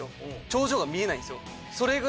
頂上が見えないんですよ。